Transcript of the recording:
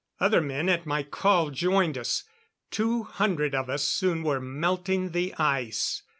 Other men at my call joined us. Two hundred of us soon were melting the ice.